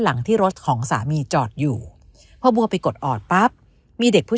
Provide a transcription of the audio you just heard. หลังที่รถของสามีจอดอยู่พอบัวไปกดออดปั๊บมีเด็กผู้